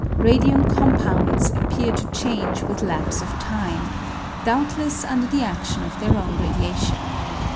Radium compounds appear to change with lapse of time, doubtless under the adion of their own radiation.